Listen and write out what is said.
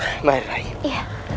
bismillah ya allah